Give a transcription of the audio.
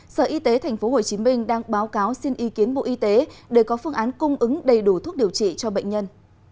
sở y tế tp hcm đang báo cáo xin ý kiến bộ y tế để có phương án cung ứng đầy đủ thuốc điều trị cho bệnh nhân